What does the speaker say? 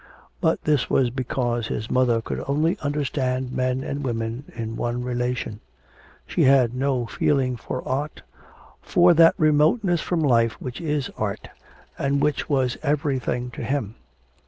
But this was because his mother could only understand men and women in one relation; she had no feeling for art, for that remoteness from life which is art, and which was everything to him.